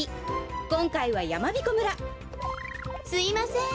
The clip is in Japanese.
こんかいはやまびこ村すいません。